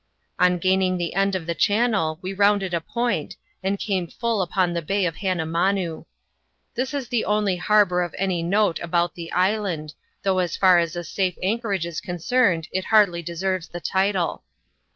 On gaining the end of the channel we rounded a point, and came full upon the bay of Hannamanoo. This is the only harbour of any note about the island, though as far as a safe anchorage is concerned it hardly deserves the title.